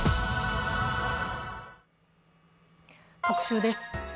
特集です。